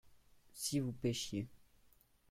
si vous pêchiez.